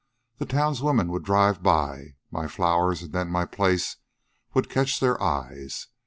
The townswomen would drive by. My flowers, and then my place, would catch their eyes.